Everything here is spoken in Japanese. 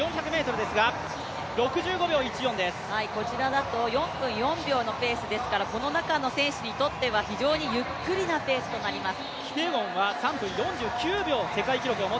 こちらだと４分４秒のペースですから、この中の選手にとっては非常にゆっくりなペースとなります。